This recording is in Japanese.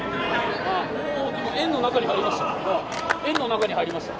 円の中に入りました。